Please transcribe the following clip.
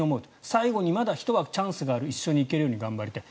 最後にまだ１枠チャンスがある一緒に行けるように頑張りたい。